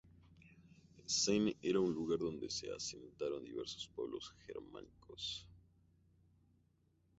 Essen era un lugar donde se asentaron diversos pueblos germánicos.